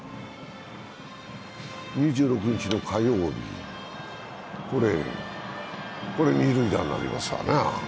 ２６日の火曜日、これ、二塁打になりますわな。